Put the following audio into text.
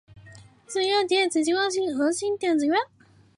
自由电子激光器的核心是电子源。